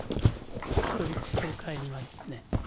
カトリック教会にはですね